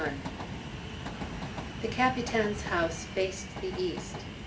XXVI THE Capitan's house faced the east.